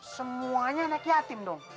semuanya anak yatim dong